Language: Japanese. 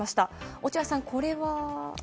落合さん、これは？